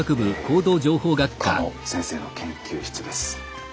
狩野先生の研究室です。